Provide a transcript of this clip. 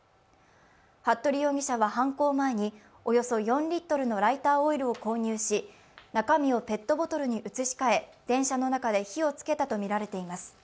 服部容疑者は犯行前におよそ４リットルのライターオイルを購入し、中身をペットボトルに移し替え、電車の中で火を付けたとみられています。